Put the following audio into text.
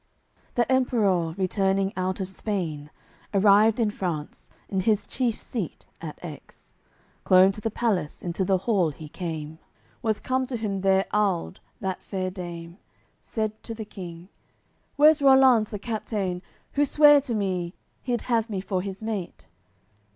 CCLXVIII That Emperour, returning out of Spain, Arrived in France, in his chief seat, at Aix, Clomb to th' Palace, into the hall he came. Was come to him there Alde, that fair dame; Said to the King: "Where's Rollanz the Captain, Who sware to me, he'ld have me for his mate?"